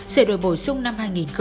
sửa đổi bổ sung năm hai nghìn một mươi bảy